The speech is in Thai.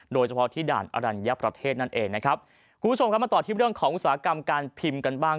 โดยเฉพาะที่ด่านอรัญญประเทศนั่นเองนะครับคุณผู้ชมครับมาต่อที่เรื่องของอุตสาหกรรมการพิมพ์กันบ้าง